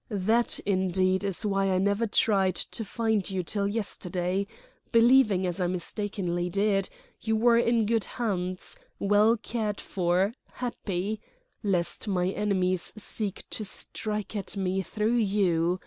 That, indeed, is why I never tried to find you till yesterday—believing, as I mistakenly did, you were in good hands, well cared for, happy—lest my enemies seek to strike at me through you.